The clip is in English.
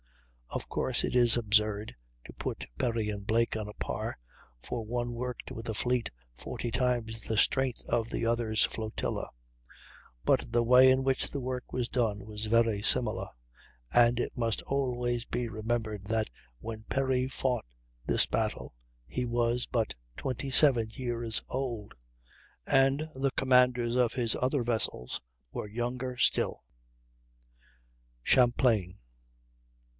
Of course it is absurd to put Perry and Blake on a par, for one worked with a fleet forty times the strength of the other's flotilla; but the way in which the work was done was very similar. And it must always be remembered that when Perry fought this battle he was but 27 years old; and the commanders of his other vessels were younger still. Champlain.